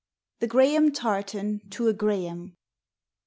THE GRAHAM TARTAN TO A GRAHAM.